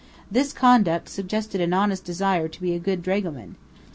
This conduct suggested an honest desire to be a good dragoman.